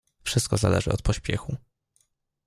"Wszystko zależy od pośpiechu."